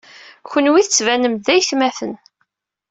Kenwi tettbanem-d d aytmaten.